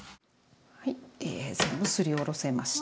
はい全部すりおろせました。